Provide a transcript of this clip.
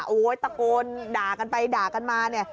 โอ้โหตะโกนด่ากันไปด่ากันมาเนี่ย